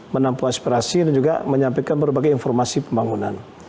menampung aspirasi dan juga menyampaikan berbagai informasi pembangunan